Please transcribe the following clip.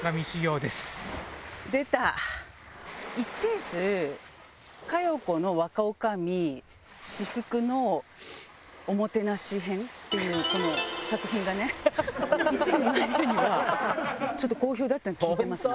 一定数「佳代子の若女将至福のおもてなし編」っていうこの作品がね一部マニアには好評だったと聞いてますね。